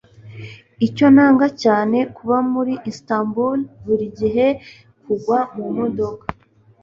Icyo nanga cyane kuba muri Istanbul burigihe kugwa mumodoka.